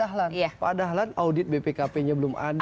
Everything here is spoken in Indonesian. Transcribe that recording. pak dahlan pak dahlan audit bpkp nya belum ada